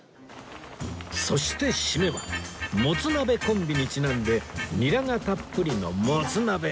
そして締めはもつなべコンビにちなんでニラがたっぷりのもつ鍋